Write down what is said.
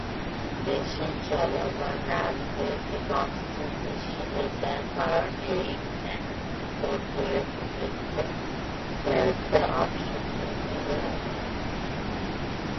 দেশে চলমান রাজনৈতিক অস্থিতিশীলতার কারণে ইংল্যান্ড জিম্বাবুয়ের বিরুদ্ধে খেলতে অস্বীকৃতি জানায়।